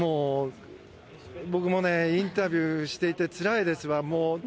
僕もインタビューしていてつらいですわ。